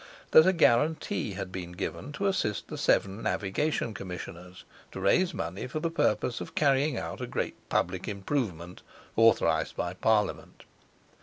that a guarantee had been given to assist the Severn Navigation Commissioners to raise money for the purpose of carrying out a great public improvement authorized by Parliament.